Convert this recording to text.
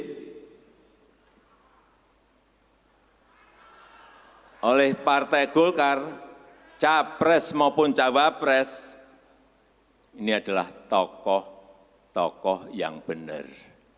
ini oleh partai golkar capres maupun cawapres ini adalah tokoh tokoh yang benar